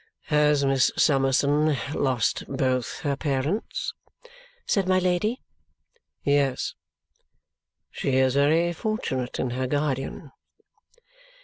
"Has Miss Summerson lost both her parents?" said my Lady. "Yes." "She is very fortunate in her guardian."